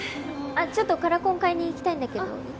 ちょっとカラコン買いに行きたいんだけどいい？